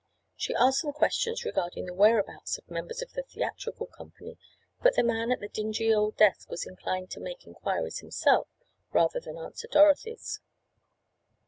She asked some questions regarding the whereabouts of members of the theatrical company, but the man at the dingy old desk was inclined to make inquiries himself, rather than answer Dorothy's.